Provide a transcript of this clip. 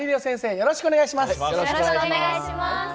よろしくお願いします！